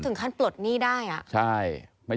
ก็ถึงขั้นปลดหนี้ได้